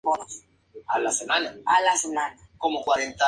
La banda anunció el título de su nuevo álbum, "Pretty.